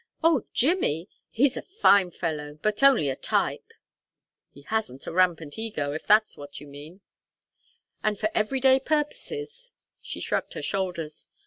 "Oh, Jimmy! He's a fine fellow, but only a type." "He hasn't a rampant ego, if that is what you mean. And for every day purposes " She shrugged her shoulders.